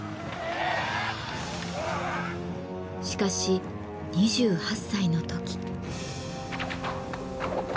しかし２８歳の時。